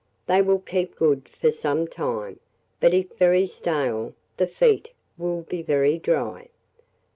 They will keep good for some time, but if very stale, the feet will be very dry.